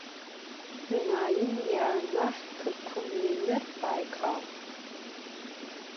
Dunaim yianah xıkhum yinır Baykal.